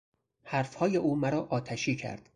حرفهای او مرا آتشی کرد.